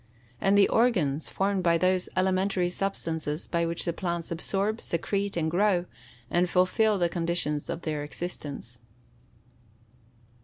And of organs, formed by those elementary substances, by which the plants absorb, secrete, and grow, and fulfil the conditions of their existence.